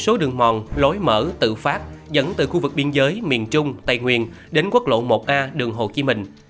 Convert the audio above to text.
số đường mòn lối mở tự phát dẫn từ khu vực biên giới miền trung tây nguyên đến quốc lộ một a đường hồ chí minh